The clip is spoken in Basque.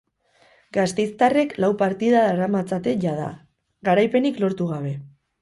Gasteiztarrek lau partida daramatzate jada, garaipenik lortu gabe.